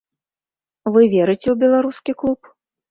Вы верыце ў беларускі клуб?